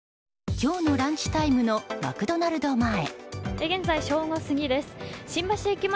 今日のランチタイムのマクドナルド前。